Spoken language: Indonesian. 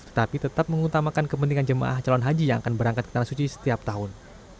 tapi tetap mengutamakan kepentingan jemaah calon haji yang akan berangkat ke tanah suci setiap tahun